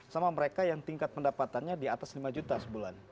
sama mereka yang tingkat pendapatannya diatas lima juta sebulan